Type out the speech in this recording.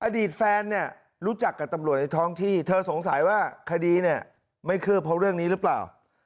อดีตแฟนเนี่ยรู้จักกับตำรวจในท้องที่เธอสงสัยว่าคดีเนี่ยไม่คืบเพราะเรื่องนี้หรือเปล่า